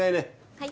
はい。